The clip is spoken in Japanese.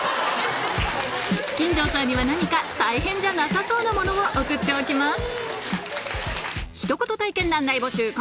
金城さんには何か大変じゃなさそうなものを送っておきます